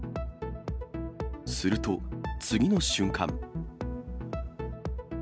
すると、次の瞬間。